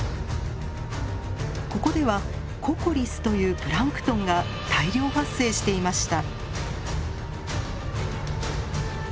ここではココリスというプランクトンが大量発生していました。